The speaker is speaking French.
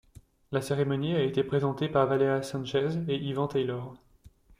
La cérémonie a été présentée par Valeria Sánchez et Ivan Taylor.